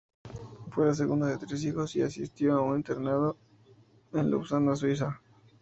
Fue la segunda de tres hijos y asistió a un internado en Lausana, Suiza.